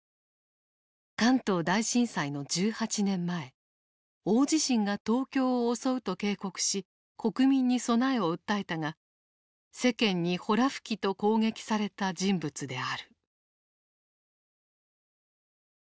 関東大震災の１８年前大地震が東京を襲うと警告し国民に備えを訴えたが世間にほら吹きと攻撃された人物である。